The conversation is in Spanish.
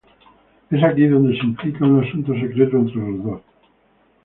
Es aquí donde se implica un asunto secreto entre los dos.